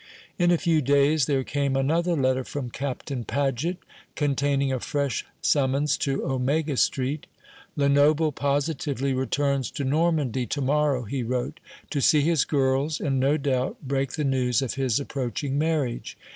In a few days there came another letter from Captain Paget, containing a fresh summons to Omega Street. "Lenoble positively returns to Normandy to morrow," he wrote, "to see his girls, and, no doubt, break the news of his approaching marriage.